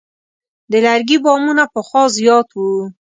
د لرګي بامونه پخوا زیات وو.